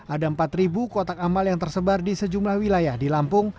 ada empat kotak amal yang tersebar di sejumlah wilayah di lampung